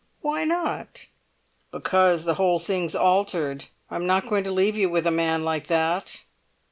"Why not?" "Because the whole thing's altered! I'm not going to leave you with a man like that!"